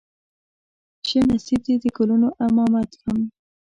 شه نصيب دې د ګلونو امامت هم